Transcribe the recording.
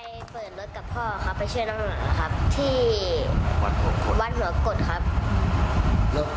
เยอะครับ